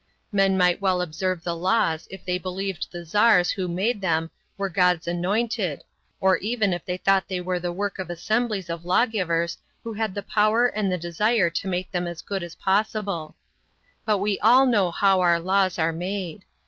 Men might well observe the laws if they believed the Tzars who made them were God's anointed, or even if they thought they were the work of assemblies of lawgivers who had the power and the desire to make them as good as possible. But we all know how our laws are made.